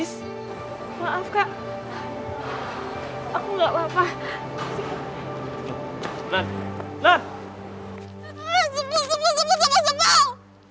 sebal sebal sebal sebal